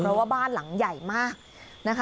เพราะว่าบ้านหลังใหญ่มากนะคะ